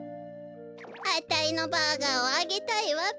あたいのバーガーをあげたいわべ。